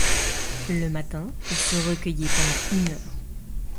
Le matin il se recueillait pendant une heure.